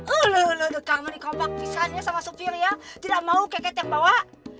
ulu ulu dekar menikompak pisahnya sama sopir ya tidak mau ket ket yang bawa